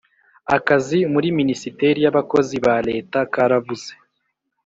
Akazi muri minisiteri y abakozi ba leta karabuze